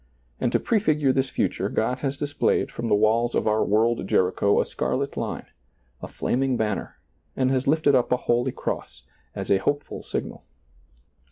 And to prefigure this future God has displayed from the walls of our world Jeri cho a scarlet line, a flaming banner, and has lifted up a holy cross, as a hopeful signal.